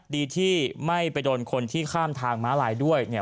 ดีที่ไม่ไปโดนคนที่ข้ามทางม้าลายด้วยเนี่ย